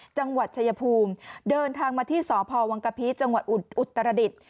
จังหวัดชายภูมิเดินทางมาที่สพวังกะพีจังหวัดอุตรดิษฐ์